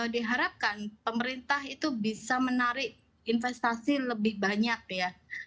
diharapkan pemerintah itu bisa menarik investasi lebih banyak ya